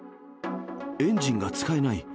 エンジンが使えない。